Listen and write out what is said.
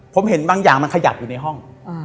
ผมเห็นบางอย่างมันขยับอยู่ในห้อง